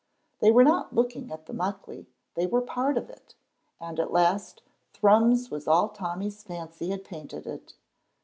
They were not looking at the Muckley, they were part of it, and at last Thrums was all Tommy's fancy had painted it.